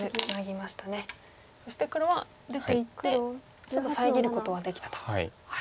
そして黒は出ていって遮ることはできたと。